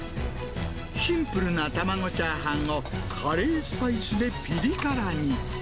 シンプルな卵チャーハンを、カレースパイスでピリ辛に。